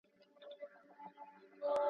بشري حقونه په دوامداره توګه وده کوي.